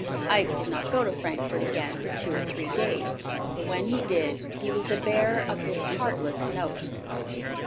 Ike did not go to Frankfort again for two or three days, but when he did, he was the bearer of this heartless note.